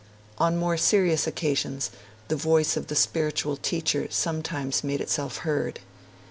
On more serious occasions, the voice of the spiritual teacher sometimes made itself heard.